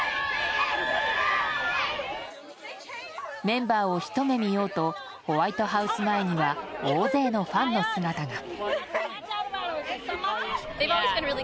メンバーをひと目見ようとホワイトハウス前には大勢のファンの姿が。